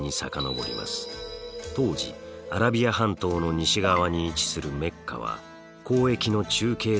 当時アラビア半島の西側に位置するメッカは交易の中継都市として繁栄していました。